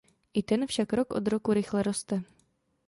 I ten však rok od roku rychle roste.